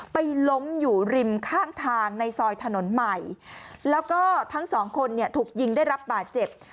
ไปล้มอยู่ริมข้างทางในซอยถนนใหม่แล้วก็ทั้งสองคนเนี่ยถูกยิงได้รับบาดเจ็บ